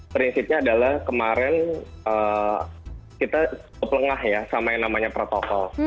prinsipnya adalah kemarin kita cukup lengah ya sama yang namanya protokol